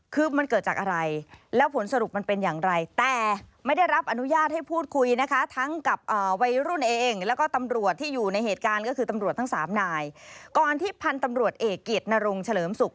ก่อนที่พันธุ์ตำรวจเอกิตนรงเฉลิมศุกร์